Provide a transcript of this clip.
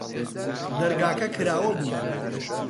دەرگاکە کراوە بوو.